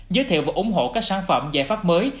giới thiệu và ủng hộ các sản phẩm giải pháp mới